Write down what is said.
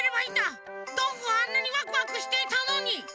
どんぐーあんなにワクワクしていたのに！